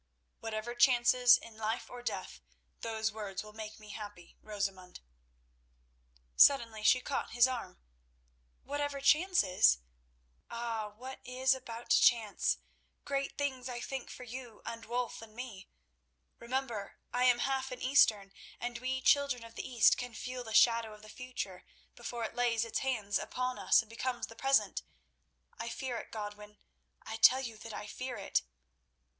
"Whatever chances, in life or death those words will make me happy, Rosamund." Suddenly she caught his arm. "Whatever chances? Ah! what is about to chance? Great things, I think, for you and Wulf and me. Remember, I am half an Eastern, and we children of the East can feel the shadow of the future before it lays its hands upon us and becomes the present. I fear it, Godwin—I tell you that I fear it."